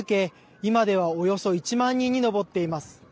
今ではおよそ１万人に上っています。